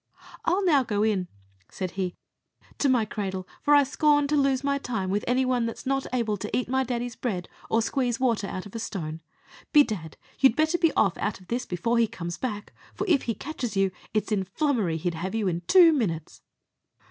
"I'll now go in," said he "to my cradle; for I scorn to lose my time with any one that's not able to eat my daddy's bread, or squeeze water out of a stone. Bedad, you had better be off out of this before he comes back; for if he catches you, it's in flummery he'd have you in two minutes."